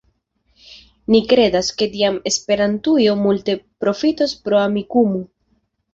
Ni kredas, ke tiam Esperantujo multe profitos pro Amikumu.